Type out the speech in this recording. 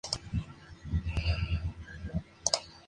Su nombre figura en numerosos documentos emitidos por su esposo.